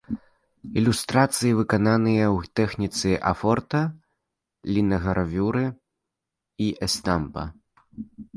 Ілюстрацыі выкананыя ў тэхніцы афорта, лінагравюры і эстампа.